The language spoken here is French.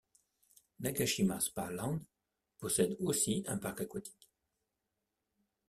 Nagashima Spa Land possède aussi un parc aquatique.